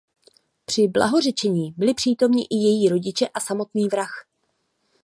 Při blahořečení byli přítomni i její rodiče a samotný vrah.